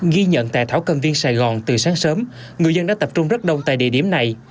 ghi nhận tại thảo cầm viên sài gòn từ sáng sớm người dân đã tập trung rất đông tại địa điểm này